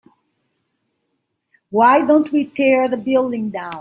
why don't we tear the building down?